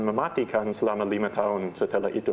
mematikan selama lima tahun setelah itu